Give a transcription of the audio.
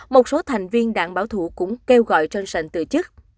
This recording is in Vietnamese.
một số thành viên đảng bảo thủ cũng kêu gọi johnson từ chức